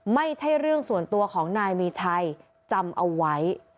ไม่ใช่เรื่องส่วนตัวของนายมีชัยจำเอาไว้